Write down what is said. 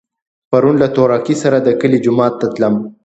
سبا ماښام له تورکي سره د کلي جومات ته تلم.